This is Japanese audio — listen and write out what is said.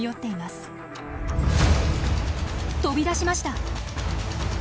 飛び出しました！